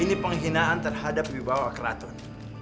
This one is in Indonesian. ini penghinaan terhadap ibu bawa keraton